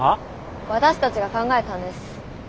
私たちが考えたんです。